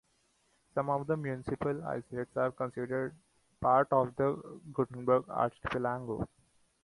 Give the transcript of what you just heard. Some of the municipal islets are considered part of the Gothenburg archipelago.